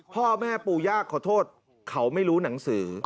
พ่อแม่ปูยากขอโทษเขาไม่รู้หนังสือ